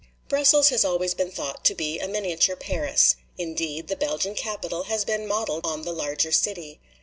Brussels has always been thought to be a miniature Paris. Indeed, the Belgian capital has been modeled on the larger city.